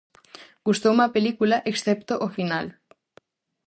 Gustoume a película excepto o final.